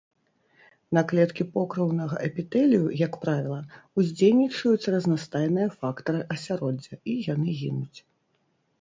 На клеткі покрыўнага эпітэлію, як правіла, уздзейнічаюць разнастайныя фактары асяроддзя, і яны гінуць.